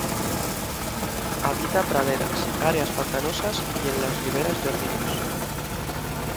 Habita praderas, áreas pantanosas y en las riberas de ríos.